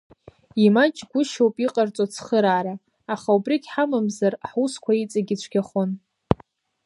Имаҷгәышьоуп иҟарҵо ацхыраара, аха убригь ҳамамзар, ҳусқәа иҵегь ицәгьахон…